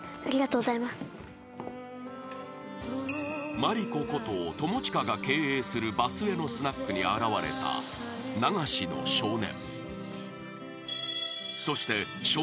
［マリコこと友近が経営する場末のスナックに現れた流しの少年］